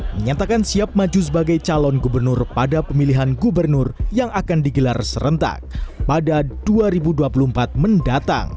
menyatakan siap maju sebagai calon gubernur pada pemilihan gubernur yang akan digelar serentak pada dua ribu dua puluh empat mendatang